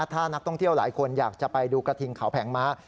ถ้านักท่องเที่ยวหลายคนอยากจะไปดูกระทิงเขาแผงม้า